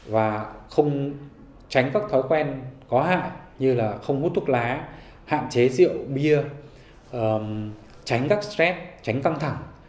và không tránh các thói quen có hại như là không hút thuốc lá hạn chế rượu bia tránh các stress tránh căng thẳng